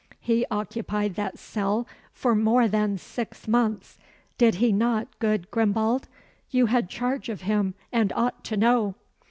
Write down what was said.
"He occupied that cell for more than six months. Did he not, good Grimbald? You had charge of him, and ought to know?"